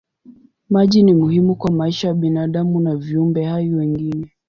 Maji ni muhimu kwa maisha ya binadamu na viumbe hai wengine.